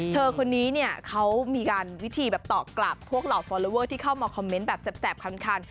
เธอคนนี้เขามีวิธีต่อกลับพวกเหล่าฟอลเลเวอร์ที่เข้ามาคอมเมนต์แบบแสบคำคัน